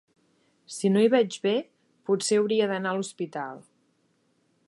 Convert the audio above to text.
Si no hi veig bé, potser hauria d'anar a l'Hospital.